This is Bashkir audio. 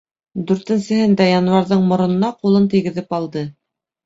Дүртенсеһендә януарҙың моронона ҡулын тейгеҙеп алды.